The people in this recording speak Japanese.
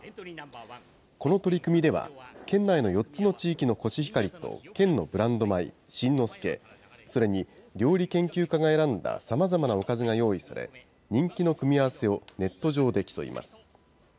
この取り組みでは、県内の４つの地域のコシヒカリと、県のブランド米、新之助、それに料理研究家が選んださまざまなおかずが用意され、人気の組み合わせをネット上で競います。